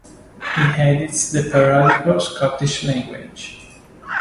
He edits the periodical "Scottish Language".